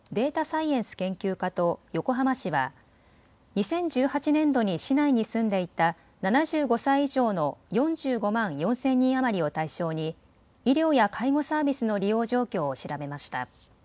サイエンス研究科と横浜市は２０１８年度に市内に住んでいた７５歳以上の４５万４０００人余りを対象に医療や介護サービスの利用状況を調べました。